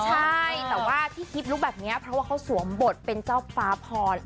ใช่แต่ว่าที่คลิปลุกแบบนี้เพราะว่าเขาสวมบทเป็นเจ้าฟ้าพร